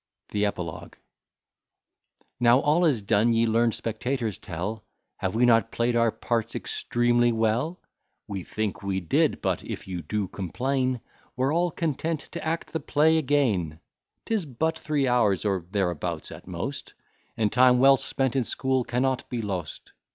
THE EPILOGUE Now all is done, ye learn'd spectators, tell Have we not play'd our parts extremely well? We think we did, but if you do complain, We're all content to act the play again: 'Tis but three hours or thereabouts, at most, And time well spent in school cannot be lost.